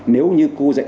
nếu như cô dạy